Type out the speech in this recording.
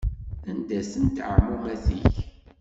Anda-tent ɛmumet-ik?